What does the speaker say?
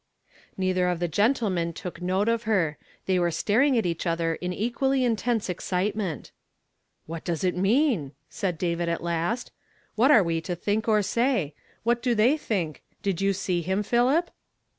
Neither of the gentlemen took note of her; thoj were staring at each other in equally inteiise excitement. " Vliat does it mean ?" said David at last. «'• What are we to think or say ? What do they tlunk ? Did you see hinu Philip